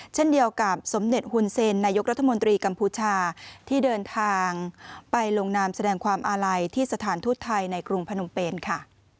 เช่นเดียวกับสมเด็จฮุนเซนนายกรัฐมนตรีกัมพูชาที่เดินทางไปลงนามแสดงความอาลัยที่สถานทูตไทยในกรุงพนมเปนค่ะ